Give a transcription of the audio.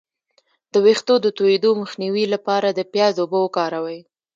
د ویښتو د تویدو مخنیوي لپاره د پیاز اوبه وکاروئ